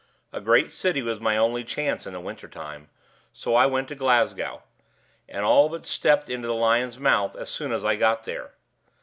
A great city was my only chance in the winter time; so I went to Glasgow, and all but stepped into the lion's mouth as soon as I got there.